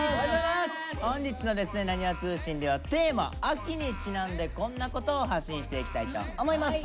「なにわ通信」ではテーマ「秋」にちなんでこんなことを発信していきたいと思います。